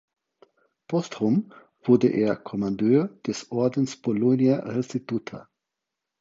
Posthum wurde er Kommandeur des Ordens Polonia Restituta.